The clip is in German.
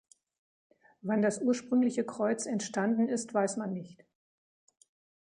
Wann das ursprüngliche Kreuz entstanden ist weiß man nicht.